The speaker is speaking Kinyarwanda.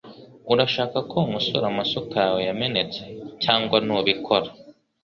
Urashaka ko nkosora amasuka yawe yamenetse cyangwa ntubikora